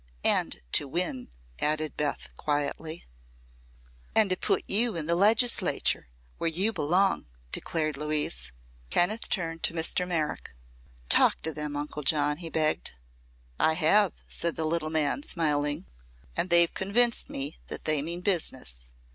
"And to win," added Beth, quietly. "And to put you in the Legislature where you belong," declared Louise. Kenneth turned to Mr. Merrick. "Talk to them, Uncle John," he begged. "I have," said the little man, smiling, "and they've convinced me that they mean business.